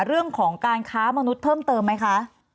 เรื่องของการค้ามนุษย์เพิ่มเติมไหมคะ